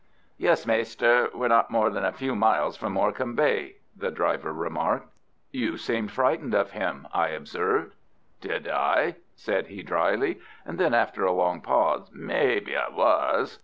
"Yes, maister. We're not more than a few miles from Morecambe Bay," the driver remarked. "You seemed frightened of him," I observed. "Did I?" said he, drily; and then, after a long pause, "Maybe I was."